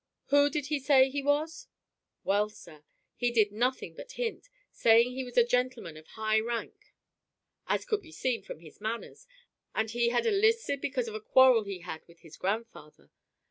"Who did he say he was?" "Well, sir, he did nothing but hint, saying he was a gentleman of high rank, as could be seen from his manners, and that he had enlisted because of a quarrel he had with his grandfather.